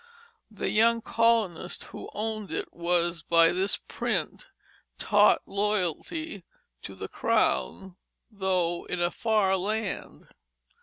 The young colonist who owned it was by this print taught loyalty to the Crown, though in a far land.